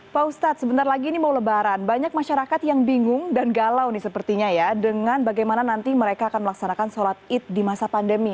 pak ustadz sebentar lagi ini mau lebaran banyak masyarakat yang bingung dan galau nih sepertinya ya dengan bagaimana nanti mereka akan melaksanakan sholat id di masa pandemi